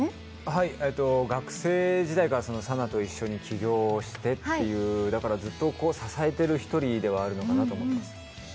はい、学生時代から佐奈と一緒に起業してという、だからずっと支えている一人ではあるのかなと思っています。